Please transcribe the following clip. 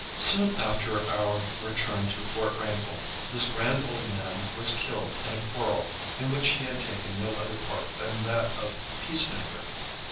Soon after our return to Fort Wrangell this grand old man was killed in a quarrel in which he had taken no other part than that of peacemaker.